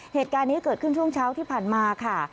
เหตุการณ์นี้เกิดขึ้นช่วงเช้าที่ผ่านมาค่ะ